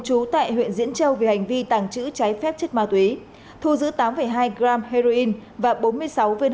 trú tại huyện diễn châu về hành vi tàng trữ trái phép chất ma túy thu giữ tám hai g heroin và bốn mươi sáu viên